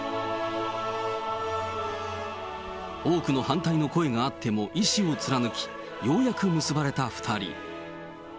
多くの反対の声があっても意志を貫き、ようやく結ばれた２人。